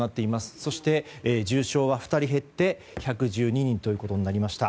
そして、重症は２人減って１１２人ということになりました。